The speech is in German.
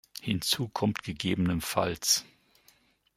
Hinzu kommt ggf.